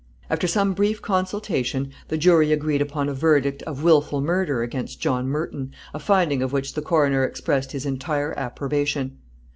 After some brief consultation, the jury agreed upon a verdict of willful murder against John Merton, a finding of which the coroner expressed his entire approbation.